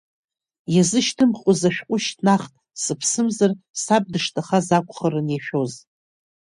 Иазышьҭымхуаз ашәҟәы шьҭнахт, сыԥсымзар, саб дышҭахаз акәхарын иашәоз.